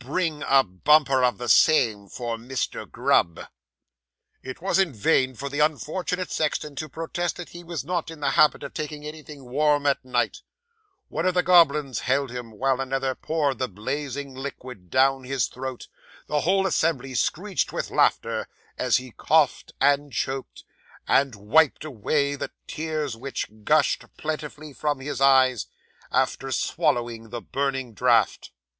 Bring a bumper of the same, for Mr. Grub." 'It was in vain for the unfortunate sexton to protest that he was not in the habit of taking anything warm at night; one of the goblins held him while another poured the blazing liquid down his throat; the whole assembly screeched with laughter, as he coughed and choked, and wiped away the tears which gushed plentifully from his eyes, after swallowing the burning draught.